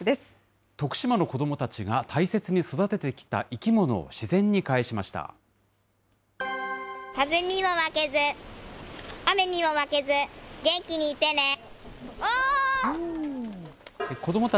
徳島の子どもたちが大切に育ててきた生き物を、自然に返しました。